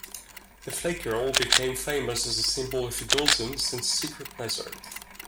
The Flake Girl became famous as a symbol of indulgence and secret pleasure.